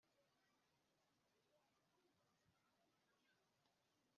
Icyakora niba dushaka gushimisha Yehova tujyerageze kumwemera no kumukorera